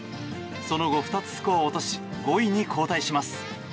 その後、２つスコアを落とし５位に後退します。